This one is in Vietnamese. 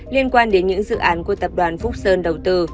trong dự án của tập đoàn phúc sơn đầu tư